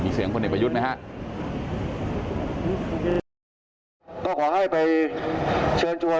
มีเสียงคนในประยุทธ์ไหมฮะ